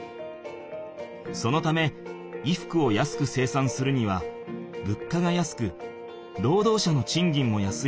そのため衣服を安く生産するにはぶっかが安くろうどう者のちんぎんも安い